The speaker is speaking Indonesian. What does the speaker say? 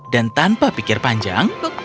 dan tanpa pikir panjang